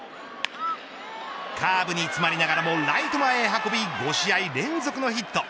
カーブに詰まりながらもライト前へ５試合連続のヒット。